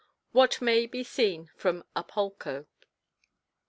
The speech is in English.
WHAT MAY BE SEEN FROM A PALCO.